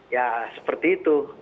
ya seperti itu